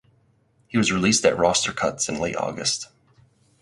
He was released at roster cuts in late August.